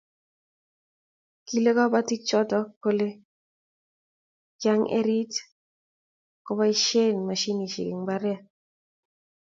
kile kabotik choto kule kiang'erit keboisien mashinisiek eng' mbaret